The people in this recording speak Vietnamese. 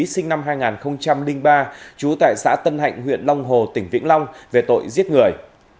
sinh năm hai nghìn ba trú tại xã tân hạnh huyện long hồ tỉnh vĩnh long về tội giết người